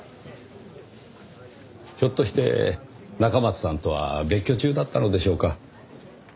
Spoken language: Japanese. ひょっとして中松さんとは別居中だったのでしょうか？